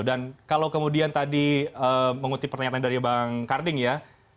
dan kalau kemudian tadi mengutip pertanyaan dari bang garding ya